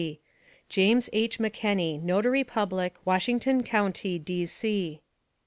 JAS. H. McKENNEY, Notary Public, Washington County, D. C.